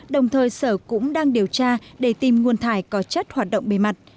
đồng thời sở cũng đang điều tra để tìm nguồn thải có chất hoạt động bề mặt